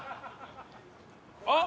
あっ！